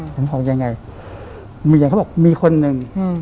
เขาบอกตอนนี้มีคนหนึ่ง